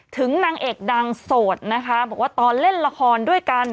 นางเอกดังโสดนะคะบอกว่าตอนเล่นละครด้วยกัน